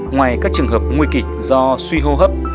ngoài các trường hợp nguy kịch do suy hô hấp